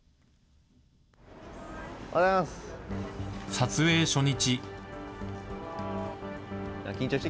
撮影初日。